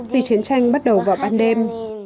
vì chiến tranh bắt đầu vào ban đêm